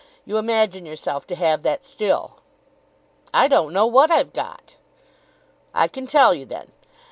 You imagine yourself to have that still." "I don't know what I've got." "I can tell you then.